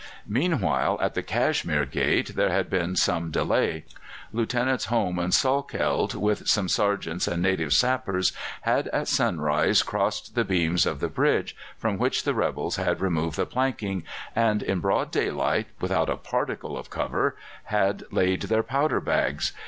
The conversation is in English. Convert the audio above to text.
Meanwhile at the Cashmere Gate there had been some delay. Lieutenants Home and Salkeld, with some sergeants and native sappers, had at sunrise crossed the beams of the bridge, from which the rebels had removed the planking, and in broad daylight, without a particle of cover, had laid their powder bags.